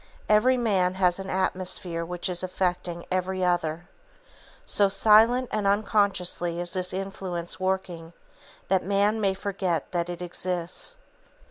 Every man has an atmosphere which is affecting every other. So silent and unconsciously is this influence working, that man may forget that it exists.